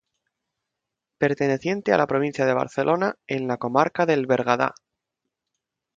Perteneciente a la provincia de Barcelona, en la comarca del Bergadá.